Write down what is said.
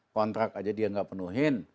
kontrak aja dia nggak penuhin